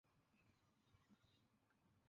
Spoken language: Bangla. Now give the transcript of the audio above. কোথায় লুকিয়েছে খুঁজে বের কর।